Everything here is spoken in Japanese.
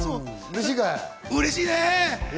うれしいね。